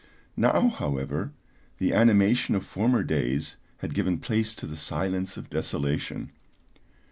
Now, however, the animation of former days had given place to the silence of desolation.